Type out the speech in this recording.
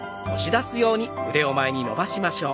前に伸ばしましょう。